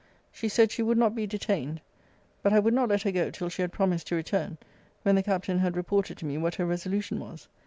She said she would not be detained. But I would not let her go till she had promised to return, when the Captain had reported to me what her resolution was.